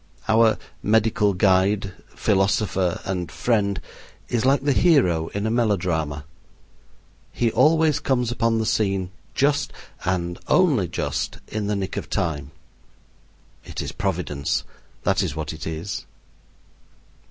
Our medical guide, philosopher, and friend is like the hero in a melodrama he always comes upon the scene just, and only just, in the nick of time. It is Providence, that is what it is.